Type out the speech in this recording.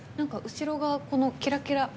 後ろが、キラキラ。